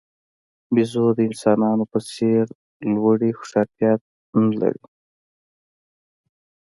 بیزو د انسانانو په څېر لوړې هوښیارتیا نه لري.